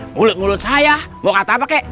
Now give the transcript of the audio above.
mulut mulut saya mau kata apa kek